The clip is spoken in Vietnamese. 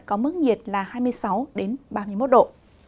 có mức nhiệt là hai mươi sáu ba mươi một độ